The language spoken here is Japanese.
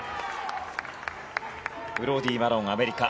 ブローディー・マローンアメリカ。